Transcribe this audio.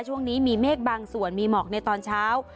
ช่วงนี้มีเมฆบางส่วนมีหมอกในตอนเช้า